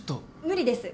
無理です。